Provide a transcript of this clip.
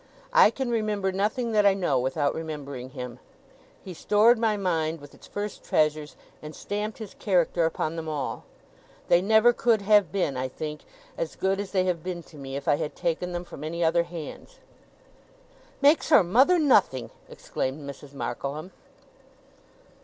I can remember nothing that I know, without remembering him. He stored my mind with its first treasures, and stamped his character upon them all. They never could have been, I think, as good as they have been to me, if I had taken them from any other hands.' 'Makes her mother nothing!' exclaimed Mrs. Markleham.